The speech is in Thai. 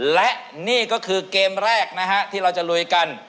และนี่ก็คือเกมแรกนะฮะที่เราจะลุยกัน